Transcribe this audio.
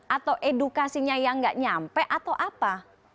atau edukasinya yang tidak sampai atau apa